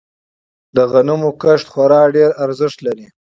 د غنمو کښت خورا ډیر ارزښت لری.